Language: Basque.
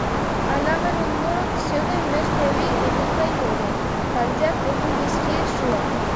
Halaber, ondoan zeuden beste bi ibilgailuri ere, kalteak egin dizkie suak.